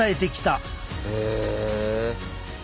へえ。